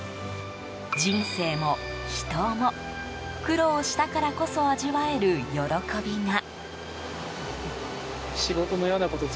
人生も秘湯も苦労したからこそ味わえる喜びが。